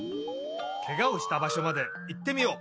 ケガをしたばしょまでいってみよう。